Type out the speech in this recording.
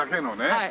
はい。